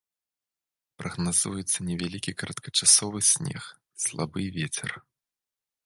Прагназуецца невялікі кароткачасовы снег, слабы вецер.